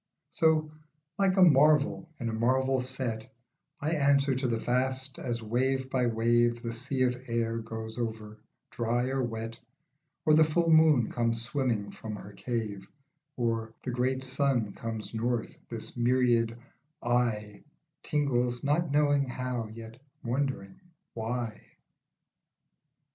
So, like a marvel in a marvel set, I answer to the vast, as wave by wave The sea of air goes over, dry or wet, Or the full moon comes swimming from her cave, \ Or the great sun comes north, this myriad I Tingles, not knowing how, yet wondering why.